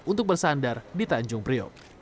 untuk bersandar di tanjung priok